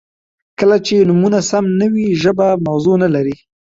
• کله چې نومونه سم نه وي، ژبه موضوع نهلري.